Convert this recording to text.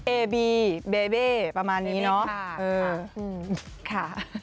เอบีเบเบประมาณนี้เนอะเออค่ะ